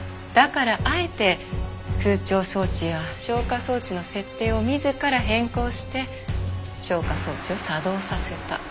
だからあえて空調装置や消火装置の設定を自ら変更して消火装置を作動させた。